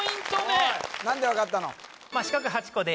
何で分かったの？